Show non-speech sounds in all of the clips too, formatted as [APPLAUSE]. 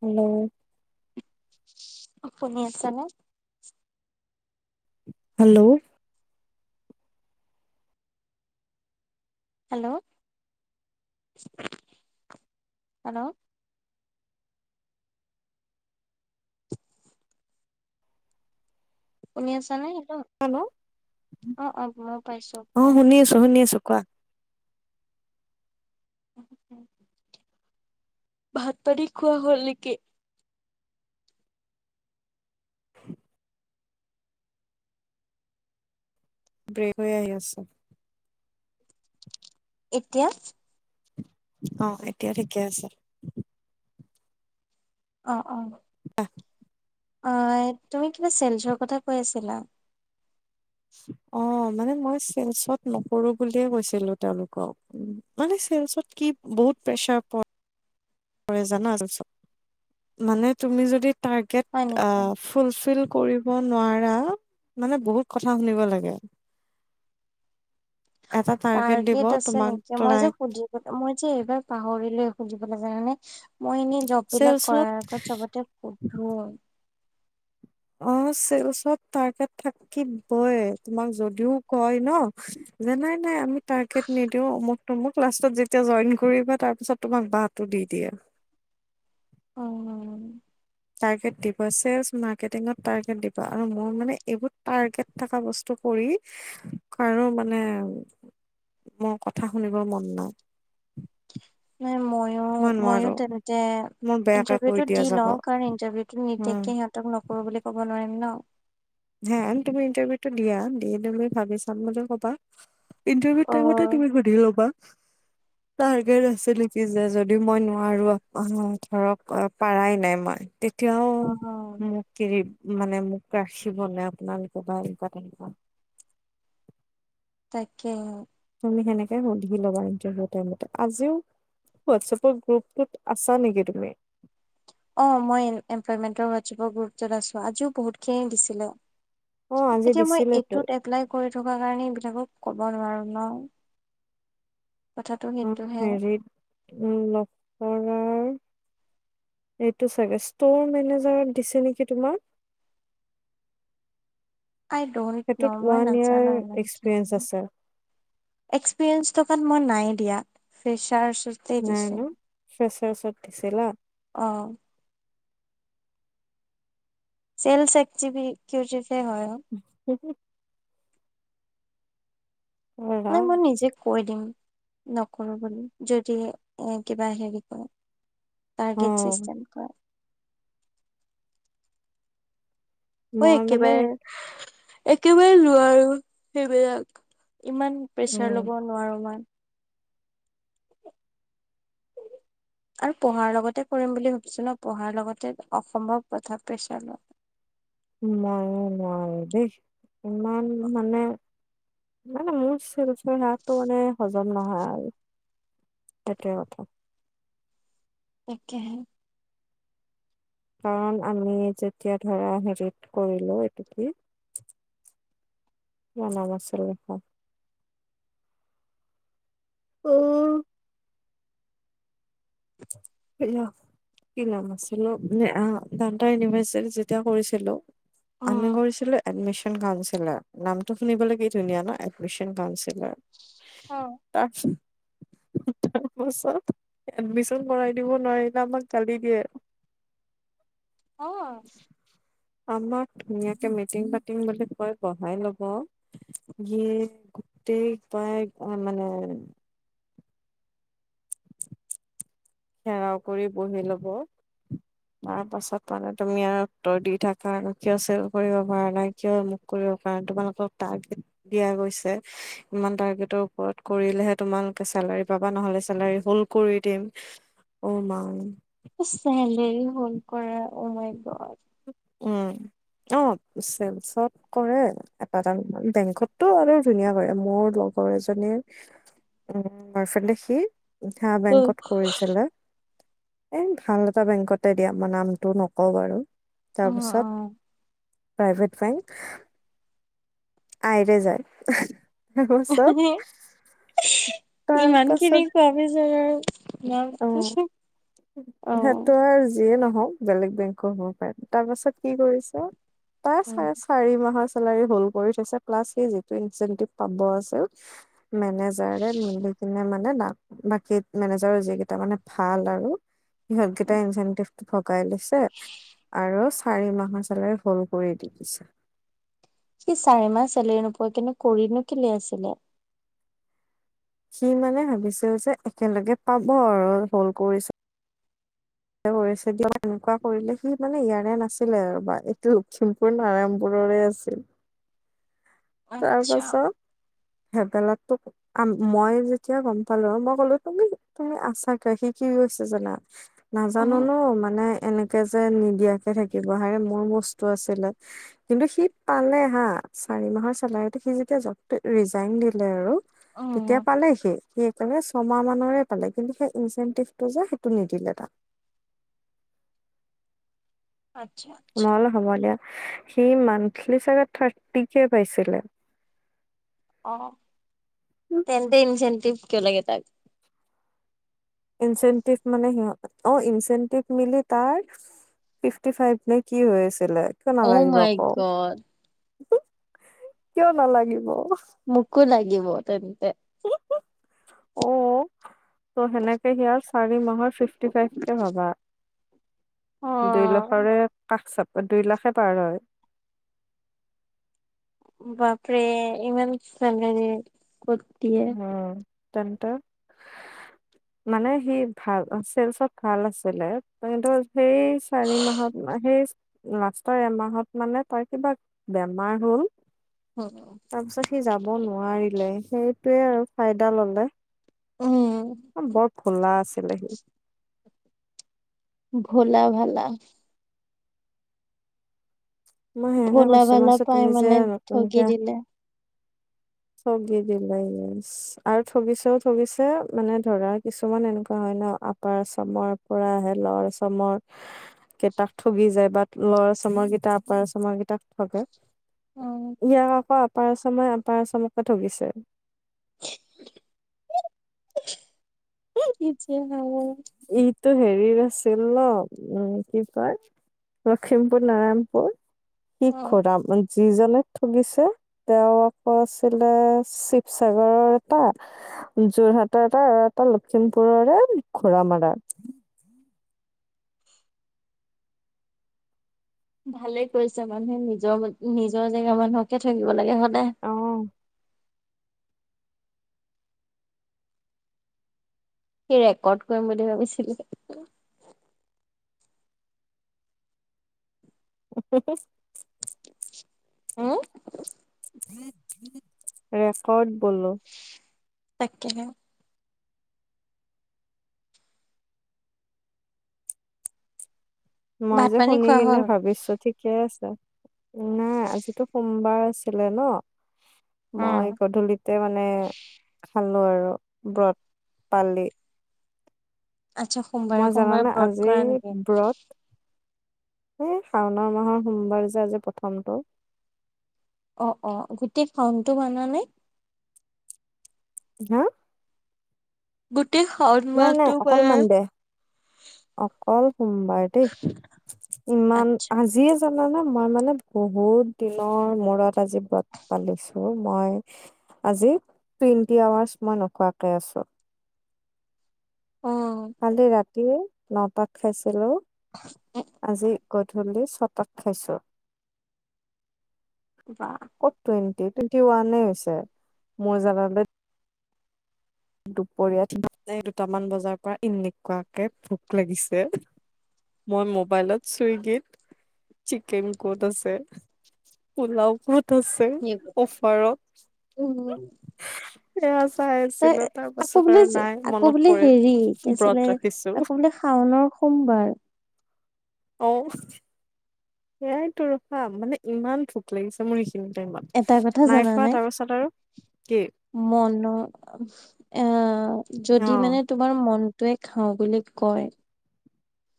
Hello অঁ পোনি আছে নে? হেল্ল। Hello hello. শুনি আছা নে হেল্ল। হেল্ল অ' অ' মই পাইছো অঁ কোৱা। শুনি আছো শুনি আছো কোৱা। ভাত পানী খোৱা হ'ল নেকি? ব্ৰেক হৈ আহি আছোঁ। এতিয়া। অঁ, এতিয়া ঠিকে আছে। অঁ অঁ। [UNINTELLIGIBLE] অঁ, তুমি কিবা চেলচৰ কথা কৈ আছিলা। অঁ, মানে মই চেলচত নকৰো বুলিয়ে কৈছিলো তেওঁলোকক। মানে চেলছত কি বহুত প্ৰেচাৰ প ৰে জানা ছেলচত, মানে তুমি যদি হয় টাৰ্গেট নেকি? অঁ ফুল ফিল কৰিব নোৱাৰা মানে বহুত কথা শুনিব লাগে। এটা দিব টাৰ্গেট আছে তোমাক নেকি? মই যে লাইক সুধি মই যে এইবাৰ পাহৰিলোয়ে সুধিবলৈ জানানে, মই এনেই জববিলাক চেলচত কৰাৰ আগত চবতে সুধো। অঁ, চেলচত তাৰ্ক থাকিবই তোমাক যদিও কয় ন। যে নাই নাই আমি টাৰ্গেট নিদিও অমুক তমুক লাষ্টত যেতিয়া জইন কৰিবা তাৰপিছত তোমাক বাঁহটো দি দিয়ে। অঁ। টাৰ্গেট দিব, চেলচ মাৰ্কেটিঙত টাৰ্গেট দিব আৰু মোৰ মানে এইবোৰ টাৰ্গেট থকা বস্তু কৰি কাৰো মানে মোৰ কথা শুনিবৰ মন নাই। নাই মই অঁ, ময়ো তেনেতে মোৰ বেয়াকে কৈ ইন্টাৰভিউটো দিয়া দি যাব লওঁ, কাৰণ ইন্টাৰভিউটো উম, নিদিয়াকে সিহঁ তক নকৰো বুলি ক'ব নোৱাৰিম ন। হে তুমি ইণ্টাৰভিউটো দিয়া, দি তুমি ভাবি চাম বুলি ক'বা। ইণ্টাৰভিউ টাইমতে অ'। তুমি সুধি ল'বা। [INAUDIBLE] টাৰ্গেট আছে নেকি যে যদি মই নোৱাৰো ধৰক পাৰাই নাই মই, তে তিয়াও অ' মোক কেৰি মানে মোক ৰাখিবনে আপোনালোকে বা এনেকুৱা তেনেকুৱা। তাকেহে। তুমি তেনেকে সুধি ল'বা ইটাৰভিউ টাইমতে, আজিও হোৱাটছআপৰ গ্ৰুপত আছা নেকি তুমি? অঁ, মই এমপ্লয়মেণ্টৰ হোৱাটছএপৰ গুৰুত্বত আছো আজিও বহুতখিনি দিছিলে। অ আজি এতিয়া মই দিছিলেতো এইটোত এপ্লাই কৰি থকা কাৰণে এইবিলাকক কব নোৱাৰো ন। কথাটো উম, সেইটোহে হেৰিত লখৰাৰ এইটো চাগে ষ্ট'ৰ মেনেজাৰক দিছে নেকি তোমাৰ। আই ডন্ট নৌ সেইটোত মই ওৱান ইয়াৰ নাজানো এক্সপিৰিয়েঞ্চ ইমানখিনি। আছে এক্সপিৰিয়েঞ্চ থকা মই নাই দিয়া ফ্ৰেচ চাৰ্জ নাই নো ফ্ৰেচাত দিছিলা। অঁ চেলছ একজুবিতি কিউটিয়ে হয় অ। [UNINTELLIGIBLE] হয় নাই বাও। মই নিজে কৈ দিম নকৰো বুলি যদি এ কিবা হেৰি কৰে টাৰ্গেট অ চিষ্টেম কৰা। মই একেবাৰে, একেবাৰে নোৱাৰো সেইবিলাক ইমান প্ৰেচাৰ উম, ল'ব নোৱাৰো ইমান। আৰু পঢ়াৰ লগতে কৰিম বুলি ভাবিছো ন' পঢ়াৰ লগতে অসমৰ প্ৰথা পেচাৰ লোৱা। মই নোৱাৰো দেই ইমান মানে, মানে মোৰ এবছৰৰ হাঁহটো মানে, হজম নহয় আৰু সেইটোৱে কথা। তাকেহে। কাৰণ আমি যেতিয়া ধৰা, হেৰিত কৰিলো এইটো কি? কিবা নাম আছিল তাৰ। অ' হেইয়া, কি নাম আছিল অ'? নে আঁ, ডাউণ্টাৰ ইউনিভাৰ্চেল যেতিয়া কৰিছিলোঁ। আমি উম। কৰিছিলো এডমিশ্যন কাউন্সিলাৰ। নামটো শুনিবলে কি ধুনীয়া ন'? Admission counsellor. অ তাৰপিছত, তাৰপাছত এডমিশ্যন কৰাই দিব নোৱাৰিলে আমাক গালি দিয়ে। অ আমাক ধুনীয়াকে মিটিং পাতিম বুলি কৈ বহাই ল'ব। [UNINTELLIGIBLE] গোটেই সোপাই আ মানে ঘেৰাও কৰি বহি ল'ব। তাৰপাছত মানে তুমি আও উত্তৰ দি থাকা আৰু কিয় চেল কৰিব পৰা নাই, কিয় অমুক কৰিব পৰা নাই, তোমালোকক টাৰ্গেট দিয়া গৈছে। ইমান টাৰ্গেটৰ ওপৰত কৰিলেহে তোমালোকে চেলাৰী পাবা, নহলে চেলাৰী হল্ড কৰি দিম। অ' মা! চেলেৰী হল্ড কৰা অ মাই গড। ওঁ, অঁ চেলছত কৰে। এটা টাং বেংকতটো আৰু ধুনীয়া কৰে। মোৰ লগৰ এজনীৰ উম, [UNINTELLIGIBLE] সি হাঁ অ বেংকত কৰিছিলে। এই ভাল এটা বেংকতে দিয়া, মই নামটো নকওঁ বাৰু। অ তাৰপিছত private bank I T I যায়। আহহ্ তাৰপাছত ইহিহ্, ইমানখিনি কোৱা পিছত আৰু নাম অঁ, অ সেইটো আৰু যিয়ে নহওক বেলেগ বেংকও হ'ব পাৰে। তাৰপাছত কি কৰিছে? তাৰ চাৰে উম। চাৰি মাহৰ চেলাৰী হল্ড কৰি থৈছে প্লাছ সি জেটোৱেনচেণ্টিভ পাব আছিল। মেনেজাৰে মিলিকিনে মানে, বা বাকী মেনেজ জাৰৰ যিকেইটা মানে ভাল আৰু সিহঁতকেইটা ইনচেন্টিভ ভগাই লৈছে আৰু চাৰি মাহৰ চেলেৰী হল্ড কৰি দি দিছে। সি চাৰিমাহ চলেৰী নোপোৱাকেনো কৰিনো কে'লে আছিলে। সি মানে, ভাবিছিল যে একেলগে পাব আৰু হল্ড কৰিছে। [UNINTELLIGIBLE] এইটো কৰিছে দিয়া, এনেকুৱা কৰিলে সি মানে ইয়াৰে নাছিলে আৰু বা এইটো লখিম পুৰ নাৰায়ণপুৰৰে আছিল। আচ্ছা তাৰপাছত ভেবেলাতোক আম্ মই যেতিয়া গম পালো, মই ক'লো তুমি, তুমি আছা কা শিকি গৈছে জানা? উম নাজানো ন মানে এনেকে যে নিদিয়াকে থাকিব হাৰে মোৰ বস্তু আছিলে। কিন্তু সি পালে হা চাৰি মাহৰ। চেলাই সি যেতিয়া জব ৰিজাইন দিলে আৰু তেতিয়া উম পালে সি। সেইকাৰণে ছয়মাহ মানৰে পালে কিন্তু সেই ইনচেন্টিভটো যে সেইটো নিদিলে তাক। আচ্ছা আচ্ছা। ল সি মানলি চাগে থাৰ্টি কে পাইছিলে। অ, তেন্তে ইনচেন্টিভ কিয় লাগে তাক। ইনচেন্টিভ মানে সিহত, অ ইনচেন্টিভ মিলি তাৰ। ফিফটি ফাইভ নে কি হৈ আছিলে কিয় অ' নালাগিব মাই আকৌ। গড কিয় নালাগিব। মোকো লাগিব তেন্তে। অ, ত' সেনেকে সি আৰু চাৰি মাহৰ ফিফটি ফাইভ কে ভাবা। দুই অ' লাখৰে কাষ চাপ দুই লাখে পাৰ হয়। বাপৰে ইমান চানে উম, তেন্ত। মানে সি ভাল চেলচত ভাল আছিলে কিন্তু। সেই চাৰি মাহত সেই- লাষ্টৰ এমাহত মানে তাৰ কিবা বেমাৰ হ'ল। হয়। তাৰপিছত সি যাব নোৱাৰিলে সেইটোৱে আৰু ফাইদা ললে। উম। অ বৰ খোলা আছিলে সি। ভোলা ভালা। মই সেয়াকে ভোলা কৈছো মই ভালা কৈছো পায় তুমি যে মানে ঠগি নতুনকে দিলে। ঠগি দিলে সি। আৰু ঠগিছেও ঠগিছে মানে ধৰা কিছুমান এনেকুৱা হয় ন আপাৰ আচামৰ- পৰা আহে লৱাৰ আচামৰ- কেইটাক ঠগি যায় বা লৰ আচামৰ কেইটা আপাৰ আচাচমৰ কেইটাক ঠগে। অ' ইয়াক আকৌ আপাৰ আচামাই আপাৰ আচামকে ঠগিছে। কি যে হব। ইটো হেৰিৰ আছিল ন উম কি কয়- লখিমপুৰ নাৰায়ণপুৰ শ [UNINTELLIGIBLE] অ' খোৰা। যিজনে ঠগিছে তেওঁ আকৌ আছিলে শিৱসাগৰৰ এটা- যোৰহাটৰ এটা আৰু এটা লখিমপুৰৰে ঘোঁৰামাৰা। ভালে কৰিছে মানুহে নিজৰ নিজৰ জেগা মানুহকে থাকিব লাগে সদায়। অহ। সি ৰেকৰ্ড কৰিম বুলি ভাবিছিলো। [UNINTELLIGIBLE] হুম? ৰেকৰ্ড বোলো। তাকেহে। মই ভাত যে পানী শুনি খোৱা কিনে হ'ল? ভাবিছো ঠিক ঠিকে আছে, মানে আজিতো সোমবাৰ আছিলে ন। উম, মই গধূলিতে মানে, খালোঁ আৰু ব্ৰত পালি আচ্ছা। সোমবাৰে মই সোমবাৰে জানানে ব্ৰত কৰা আজিৰ নেকি? ব্ৰত এই শাওণৰ মাহৰ সোমবাৰ যে আজি প্ৰথমটো অ অ গোটেই শাওনটো মানা নে হা গোটেই শাওণ নাই মাহটো নাই অকল মানে মনদে অকল সোমবাৰ দেই ইমান আচ্ছা। আজি জানা নে মই মানে বহুত দিনৰ মূৰত আজি ব্ৰত পালিছো মই আজি টুৱেণ্টি আৱাৰ্চ মই নোখোৱাকে আছো। অ কালি ৰাতিও নটাত খাইছিলোঁ আজি গধূলি ছটাত খাইছো বা অ টুৱেণ্টি টুৱেণ্টি ওৱানে হৈছে মোৰ জাবা লৈ দুপৰীয়াত মানে দুটামান বজাৰ পৰা এনেকুৱাকে ভোক লাগিছে মই মোবাইলত চুইগিত চিকেন কোড আছে। পোলাও কত আছে। ওচৰত উম, চয়া চাই তই আছিলো তাৰ আকৌ পাছত বোলে আৰু নাই আকৌ মনত বোলে পৰিল হেৰি কি ব্ৰত আছিলে ৰাখিছো আকৌ বোলে শাওনৰ সোমবাৰ অ সেয়াই ত ৰখাম মানে ইমান ভোক ভয় লাগিছে মোৰ সেইখিনি এটা কথা টাইমত নাই খোৱা তাৰপাছত আৰু কি মন এ অ যদি মানে তোমাৰ মনটোৱে খাওঁ বুলি কয়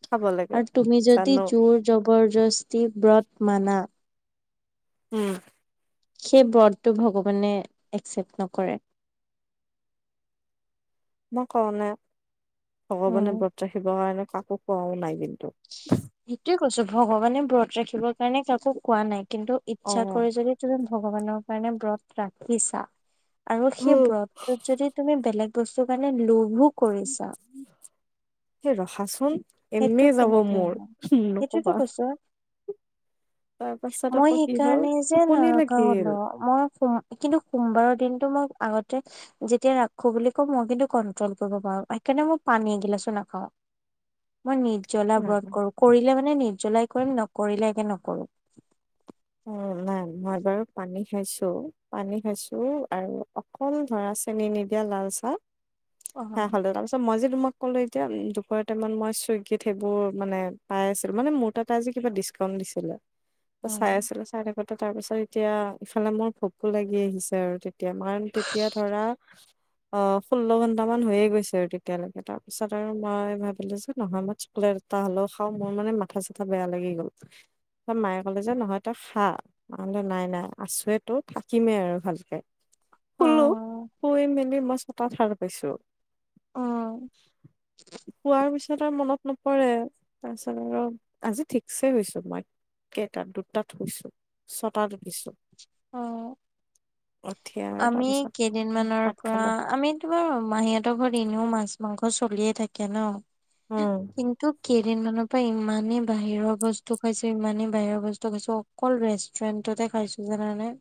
খাব লাগে আৰু তুমি যদি জানো জোৰ জবৰদস্তি ব্ৰত মানা উম সেই ব্ৰতটো ভগৱানে একচেপ্ট নকৰে মই কওঁ ন উম, ভগৱানে ব্ৰত ৰাখিবৰ কাৰণে কাকো খোৱাও নাই কিন্তু সেইটোয়ে কৈছো ভগৱানে ব্ৰত ৰাখিবৰ কাৰণে কাকো কোৱা নাই কিন্তু অ ইচ্ছা কৰি যদি তুমি ভগৱানৰ কাৰণে ব্ৰত ৰাখিছা আৰু হু সেই ব্ৰতটোত যদি তুমি বেলেগ বস্তু কাৰণে লোভো কৰিছা সেই ৰখাচোন এনেই সেইটো যাব কেনেকে মোৰ হল সেইটোয়েতো নকবা কৈছো তাৰ পাছত মই আকৌ কি হ'ল সেইকাৰণে যে টোপনি নাৰাখো লাগিল হলো মই ম কিন্তু সোমবাৰৰ দিনটোত মই আগতে যেতিয়া ৰাখো বুলি কও মই কিন্তু কন্ট্ৰল কৰিব পাৰো সেইকাৰণে মই পানী এগিলাচো নাখাও। মই নিৰ্জ্বলা না ব্ৰত কৰো কৰিলে মানে নিৰ্জ্বলাই কৰিম নকৰিলে একে নকৰো। অ নাই মই বাৰু পানী খাইছো পানী খাইছো আৰু অকল ধৰা চেনি নিদিয়া লাল চাহ অ সে হলে তাৰপিছত মই যে তোমাক এতিয়া দুপৰীয়া টাইমত মই চুইগীত সেইবোৰ মানে পাই আছিলো মানে মোৰ তাত আজি কিবা দিছ কম দিছিলে ত' চাই আছিলো চাই থাকোতে তাৰপিছত এতিয়া ইফালে মোৰ ভোকো লাগি আহিছে আৰু তেতিয়া মান তেতিয়া ধৰা অ ষোল্ল ঘন্টা মান হৈয়ে গৈছে আৰু তেতিয়ালৈকে তাৰপিছত আৰু মই ভাবিলো যে নহয় মই স্কুল কা হ'লেও খাওঁ মোৰ মানে মাথা চাথা বেয়া লাগি গ'ল মায়ে ক'লে যে নহয় তো খা নহ'লে নাই নাই আছোৱেটো থাকিমেই আৰু ভালকে শুলো। উম শুই মেলি মই ছটাত সাৰ পাইছো। অ', শুৱাৰ পিছত আৰু মনত নপৰে। তাৰপিছত আৰু আজি ঠিকছে শুইছো মই এতাত দুটাত শুইছো, ছটাত উঠিছো। অ উঠি আৰু আমি তাৰপিছত কেইদিনমানৰ ভাত পৰা খালো আমি তোমাৰ মাহীঁহতৰ ঘৰত এনেও মাছ মাংস চলিয়ে থাকে ন? উম কিন্তু কেইদিনমানৰ পৰা ইমানেই বাহিৰৰ বস্তু খাইছো, ইমানেই বাহিৰৰ বস্তু খাইছো অকল ৰেষ্টুৰেণ্টতে খাইছো জানানে?